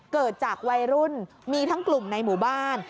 เกิดจากวัยรุ่นมีทั้งกลุ่มในหมู่บ้าน